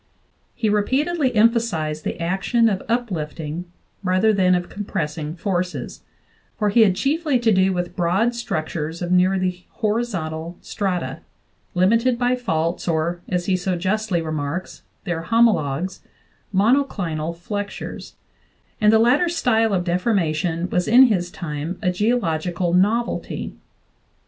He re peatedly emphasized the action of uplifting rather than of compressing forces, for he had chiefly to do with broad struc tures of nearly horizontal strata, limited by faults or, as he so justly remarks, their homologues, monoclinal flexures; and the latter style of deformation was in his time a geological novelty.